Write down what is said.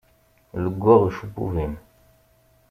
Leggaɣ ucebbub-im.